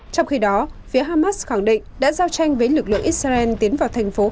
trong khi đó phía hamas khẳng định đã giao tranh với lực lượng israel tiến vào thành phố